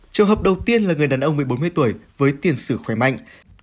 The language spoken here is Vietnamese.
trường hợp đầu tiên là người đàn ông một mươi bốn mươi tuổi với tiền sử khỏe mạnh